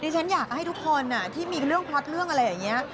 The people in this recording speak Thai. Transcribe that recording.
ฉันอยากให้ทุกคนที่มีเรื่องพล็อตเรื่องอะไรอย่างนี้